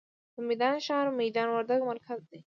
میدان ښار، د میدان وردګ مرکز دی.